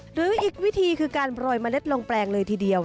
หรืออีกวิธีคือการโรยเมล็ดลงแปลงเลยทีเดียว